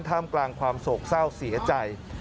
ท่ามกลางความโศกเศร้าเสียใจ